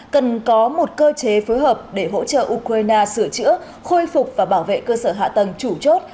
cần có một cơ chế phối hợp để hỗ trợ ukraine sửa chữa khôi phục và bảo vệ cơ sở hạ tầng chủ chốt